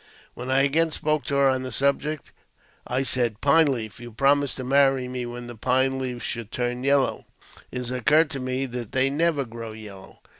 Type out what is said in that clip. When I again spoke to her on the subject, I said, " Pine Leaf, you promised to marry me when the pine leaves should turn yellow : it has occurred to me that they never grow yellow."